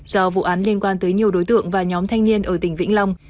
do vụ án liên quan tới nhiều đối tượng và nhóm thanh niên ở tỉnh vĩnh long